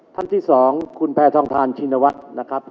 ท่านที่๒คุณแพทองทานชินวัฒน์นะครับ